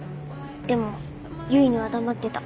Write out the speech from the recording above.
でも唯には黙ってた。